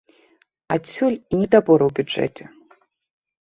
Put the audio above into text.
Адсюль і недабор у бюджэце.